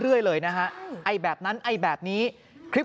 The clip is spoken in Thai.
เดี๋ยวคุณเสียงนี้ที่เราได้ยินกันเนี่ย